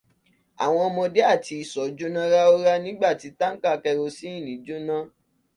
Àwọn ọmọdé àti ìsọ̀ jóná ráú-ráú nígbà tí táńkà kẹrosínìí jóná.